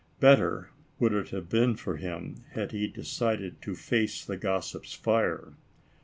Better would it have been for him, had he de cided to face the gossips' fire.